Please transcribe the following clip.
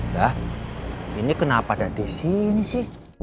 lah ini kenapa ada disini sih